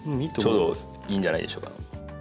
ちょうどいいんじゃないでしょうか。